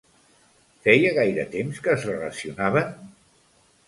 Feia gaire temps que es relacionaven?